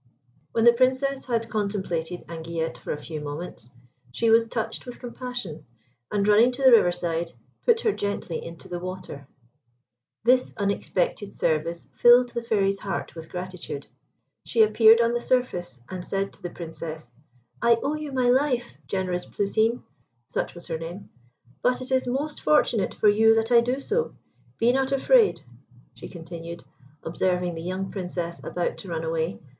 When the Princess had contemplated Anguillette for a few moments, she was touched with compassion, and running to the riverside, put her gently into the water. This unexpected service filled the Fairy's heart with gratitude. She appeared on the surface, and said to the Princess, "I owe you my life, generous Plousine (such was her name), but it is most fortunate for you that I do so. Be not afraid," she continued, observing the young Princess about to run away.